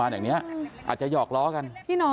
พี่น้องไงแบบรู้จักกัน